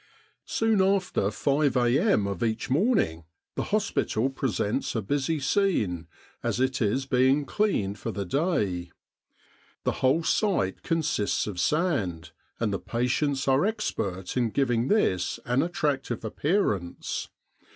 Soon after 5 a.m. of each morning, the hospital presents a busy scene as it is being cleaned for the day. The whole site consists of sand, and the patients are expert in giving this an attractive appear ance.